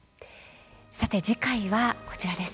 さて次回は、こちらです。